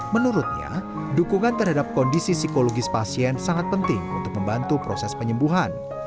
menurutnya dukungan terhadap kondisi psikologis pasien sangat penting untuk membantu proses penyembuhan